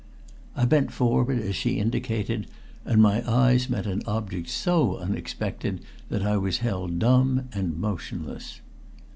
I bent forward as she indicated, and my eyes met an object so unexpected that I was held dumb and motionless.